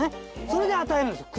それで与えるんすよ